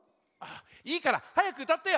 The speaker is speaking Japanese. いいからはやくうたってよ。